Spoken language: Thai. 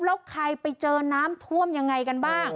แล้วใครไปเจอน้ำท่วมยังไงกันบ้าง